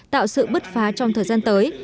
tạo sự bứt phá trong thời gian tới